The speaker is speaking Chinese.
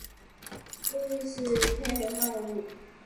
路易斯结构可以画出表示分子中的共价键以及配位化合物。